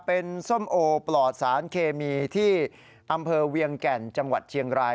เป็นส้มโอปลอดสารเคมีที่อำเภอเวียงแก่นจังหวัดเชียงราย